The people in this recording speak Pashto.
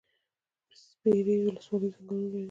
سپیرې ولسوالۍ ځنګلونه لري؟